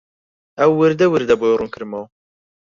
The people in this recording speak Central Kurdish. ئەو وردوردە بۆی ڕوون کردمەوە